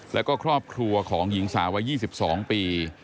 แล้วก็ครอบครัวของหญิงสาววัย๒๒ปี